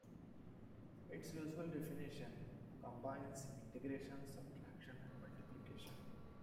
Its usual definition combines integration, subtraction, and multiplication.